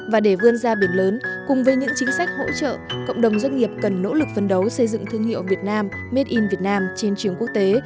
và để vươn ra biển lớn cùng với những chính sách hỗ trợ cộng đồng doanh nghiệp cần nỗ lực phân đấu xây dựng thương hiệu việt nam made in vietnam trên trường quốc tế